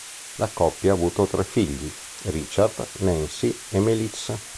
La coppia ha avuto tre figli, Richard, Nancy e Melissa.